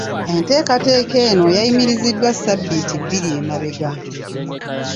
Enteekateeka eno yayimirizibwa ssabiiti bbiri emabega.